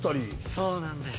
そうなんです。